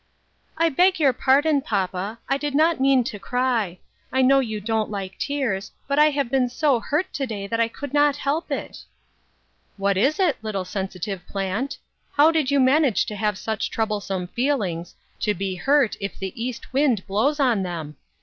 I beg your pardon, papa, I did not mean to cry ; I know you don't like tears, but I have been so hurt to day I could not help it." " What is it, little sensitive plant ? How did you manage to have such troublesome feelings, to be hurt if the east wind blows on them